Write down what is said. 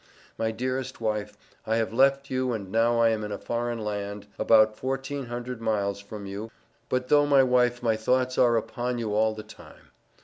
My dearest wife I have Left you and now I am in a foreign land about fourteen hundred miles from you but though my wife my thoughts are upon you all the time.